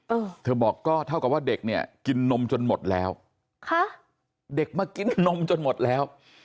เออเธอบอกก็เท่ากับว่าเด็กเนี่ยกินนมจนหมดแล้วค่ะเด็กมากินนมจนหมดแล้ว